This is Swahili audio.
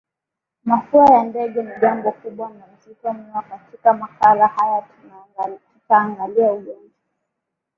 Mafua ya ndege ni jambo kubwa na zito mno Katika makala haya tutaangalia ugonjwa